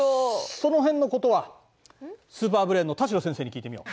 その辺のことはスーパーブレーンの田代先生に聞いてみよう。